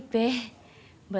boten bikin sendiri